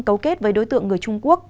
cấu kết với đối tượng người trung quốc